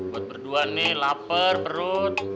buat berdua nih lapar perut